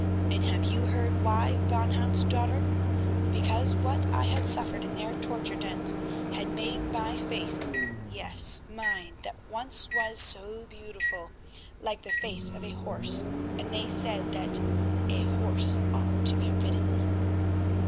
And have you heard why, Van Hout's daughter? Because what I had suffered in their torture dens had made my face—yes, mine that once was so beautiful—like the face of a horse, and they said that 'a horse ought to be ridden.